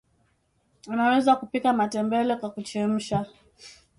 unaweza kupika matembele kwa kuchemsha